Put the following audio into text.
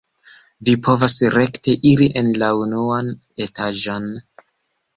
Vi povas rekte iri en la unuan etaĝon.